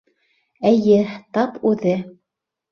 — Эйе, тап үҙе.